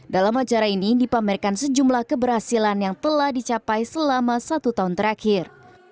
dalam acara ini dipamerkan sejumlah keberhasilan yang telah dicapai selama satu tahun terakhir